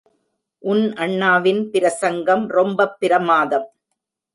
உன் அண்ணாவின் பிரசங்கம் ரொம்பப் பிரமாதம்.